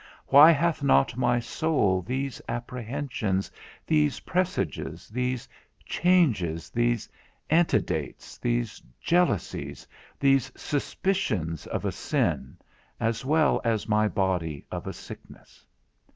Why hath not my soul these apprehensions, these presages, these changes, these antidates, these jealousies, these suspicions of a sin, as well as my body of a sickness?